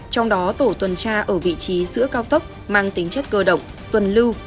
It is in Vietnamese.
trong đó tổ tuần tra ở vị trí giữa cao tốc mang tính chất cơ động tuần lưu